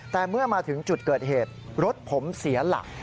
แต่เมื่อมาถึงจุดเกิดเหตุรถผมเสียหลัก